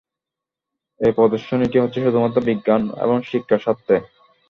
এই প্রদর্শনীটি হচ্ছে শুধুমাত্র বিজ্ঞান এবং শিক্ষার স্বার্থে।